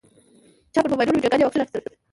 چا پر موبایلونو ویډیوګانې او عکسونه اخیستل.